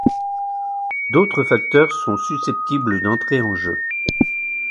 D'autres facteurs sont susceptibles d'entrer en jeu.